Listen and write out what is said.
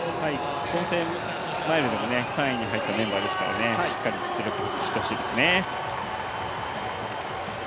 混成マイルでも決勝に入ったメンバーですからしっかりと実力を発揮してほしいですね。